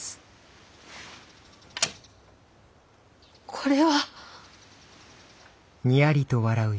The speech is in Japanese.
これは！